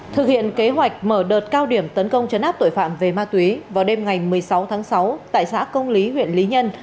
thực hiện kế hoạch mở đợt cao điểm tấn công chấn áp tội phạm về ma túy vào đêm ngày một mươi sáu tháng sáu tại xã công lý huyện lý nhân